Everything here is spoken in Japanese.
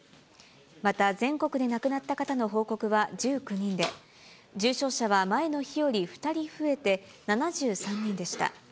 また、全国で亡くなった方の報告は１９人で、重症者は前の日より２人増えて、７３人でした。